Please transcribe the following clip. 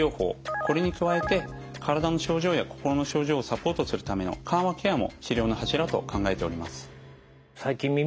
これに加えて体の症状や心の症状をサポートするための緩和ケアも治療の柱と考えております。